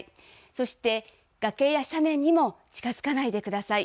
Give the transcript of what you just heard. そして崖や斜面にも、近づかないでください。